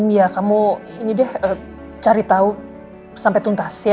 ya kamu cari tahu sampai tuntas ya